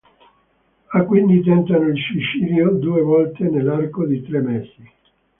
Ha quindi tentato il suicidio due volte nell'arco di tre mesi.